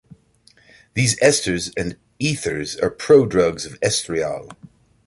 These esters and ethers are prodrugs of estriol.